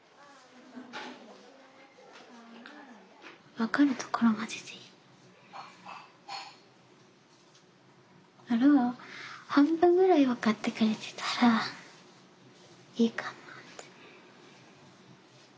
わかるところまででいいから半分ぐらいわかってくれてたらいいかなって。